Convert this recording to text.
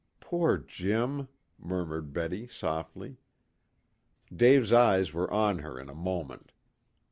"Poor Jim!" murmured Betty softly. Dave's eyes were on her in a moment.